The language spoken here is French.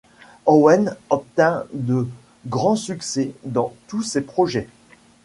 Owen obtint de grands succès dans tous ses projets.